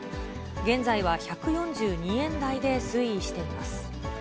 現在は１４２円台で推移しています。